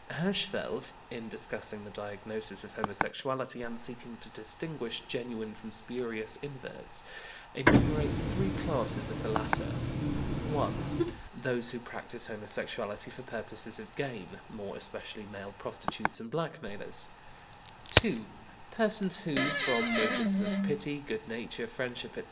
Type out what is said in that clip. Hirschfeld, in discussing the diagnosis of homosexuality and seeking to distinguish genuine from spurious inverts, enumerates three classes of the latter: (1) those who practise homosexuality for purposes of gain, more especially male prostitutes and blackmailers; (2) persons who, from motives of pity, good nature, friendship, etc.